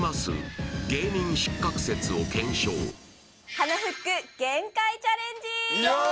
鼻フック限界チャレンジー！